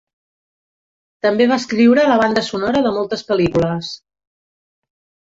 També va escriure la banda sonora de moltes pel·lícules.